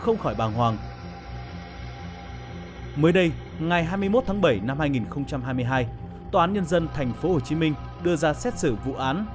mới đây ngày hai mươi một tháng bảy năm hai nghìn hai mươi hai tòa án nhân dân tp hcm đưa ra xét xử vụ án